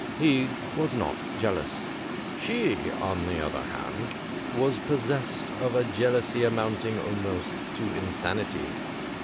He was not jealous; she, on the other hand, was possessed of a jealousy amount ing almost to insanity.